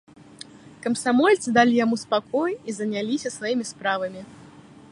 Камсамольцы далі яму спакой і заняліся сваімі справамі.